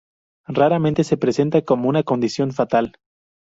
Raramente se presenta como una condición fatal.